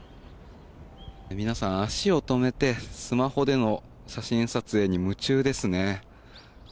皆さん、足を止めてスマホでの写真撮影に夢中ですね。